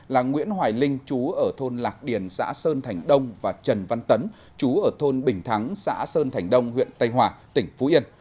là nguyễn hoài linh chú ở thôn lạc điền xã sơn thành đông và trần văn tấn chú ở thôn bình thắng xã sơn thành đông huyện tây hòa tỉnh phú yên